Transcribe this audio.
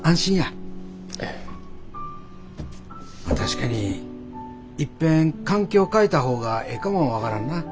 まあ確かにいっぺん環境変えた方がええかも分からんな。